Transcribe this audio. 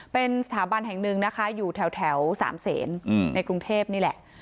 เป็นสถาบันแห่งหนึ่งนะคะอยู่แถวสามเศษในกรุงเทพนี่แหละ